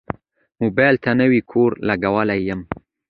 موبایل ته نوی کوور لګولی یم.